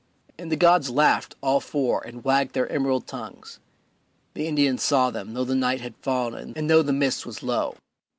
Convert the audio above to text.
And the gods laughed, all four, and wagged their emerald tongues; the Indians saw them, though the night had fallen and though the mist was low.